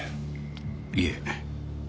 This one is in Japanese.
いえ。